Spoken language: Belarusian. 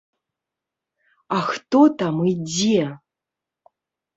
А хто там і дзе?